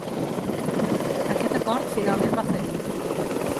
Aquest acord finalment va fallir.